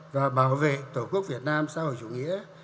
và bảo vệ tổ quốc việt nam xã hội chủ nghĩa